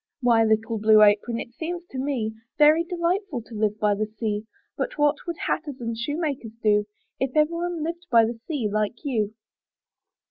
"Why, little Blue Apron, it seems to me Very delightful to live by the sea; But what would hatters and shoemakers do If every one lived by the sea like you?"